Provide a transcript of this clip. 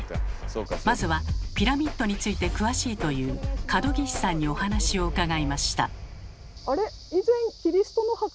まずはピラミッドについて詳しいという角岸さんにお話を伺いました。